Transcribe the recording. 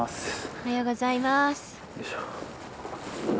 おはようございます。